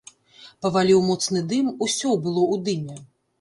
Паваліў моцны дым, усё было ў дыме.